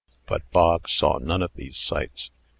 But Bog saw none of these sights.